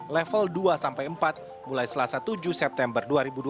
level dua sampai empat mulai selasa tujuh september dua ribu dua puluh